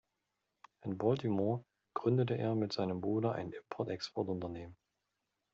In Baltimore gründete er mit seinem Bruder ein Import-Export-Unternehmen.